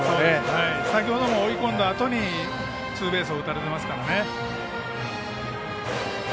先ほども追い込んだあとにツーベースを打たれてますからね。